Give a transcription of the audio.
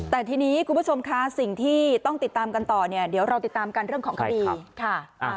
แต่ทีนี้คุณผู้ชมคะสิ่งที่ต้องติดตามกันต่อเนี่ยเดี๋ยวเราติดตามกันเรื่องของคดีค่ะ